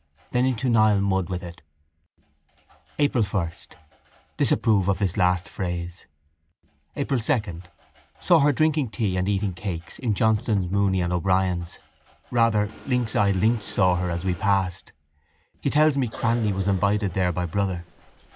Then into Nile mud with it! April 1. Disapprove of this last phrase. April 2. Saw her drinking tea and eating cakes in Johnston's, Mooney and O'Brien's. Rather, lynx eyed Lynch saw her as we passed. He tells me Cranly was invited there by brother.